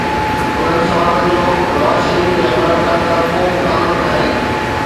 انهن سوالن جو نواز شريف يا عمران خان سان ڪو به تعلق ناهي.